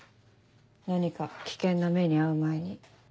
何か危険な目に遭う前に。